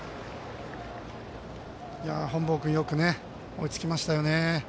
本坊君よく追いつきました。